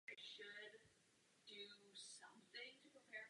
Vzniklé škody šly do desítek milionů korun.